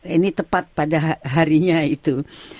ini tepat pada harinya itu